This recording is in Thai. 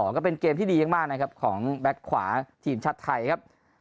ก็เป็นเกมที่ดีมากนะครับของแบ็คขวาทีมชาติไทยครับ